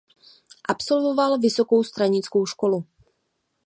Absolvoval Vysokou stranickou školu.